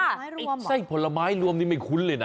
รวมไส้ผลไม้รวมนี่ไม่คุ้นเลยนะ